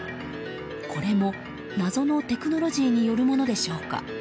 これも謎のテクノロジーによるものでしょうか。